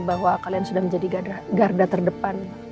bahwa kalian sudah menjadi garda terdepan